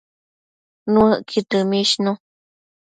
Nuëcqud dëmishnu